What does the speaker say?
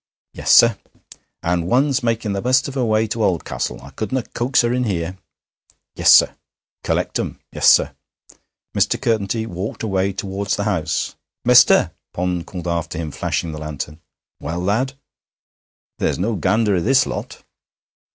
'Yes, sir.' 'And one's making the best of her way to Oldcastle. I couldna coax her in here.' 'Yes, sir.' 'Collect 'em.' 'Yes, sir.' Mr. Curtenty walked away towards the house. 'Mester!' Pond called after him, flashing the lantern. 'Well, lad?' 'There's no gander i' this lot.'